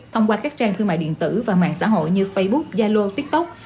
thông qua các trang thương mại điện tử và mạng xã hội như facebook yalo tiktok